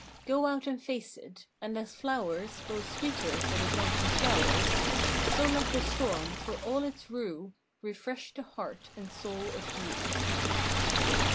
Go out and face it, and as flowers Grow sweeter for the drenching showers, So let the storm, for all its rue, Refresh the heart and soul of you.